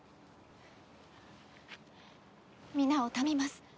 皆を頼みます。